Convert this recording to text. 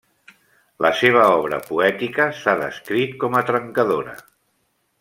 La seva obra poètica s'ha descrit com a trencadora.